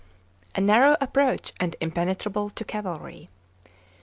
a narrow approach and impenetrable to cavalry.